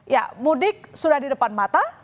ya mudik sudah di depan mata